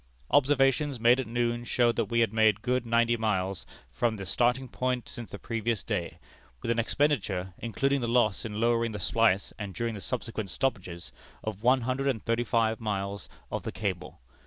Observations made at noon showed that we had made good ninety miles from the starting point since the previous day, with an expenditure, including the loss in lowering the splice and during the subsequent stoppages, of one hundred and thirty five miles of the cable.